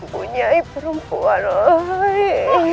punya perempuan lain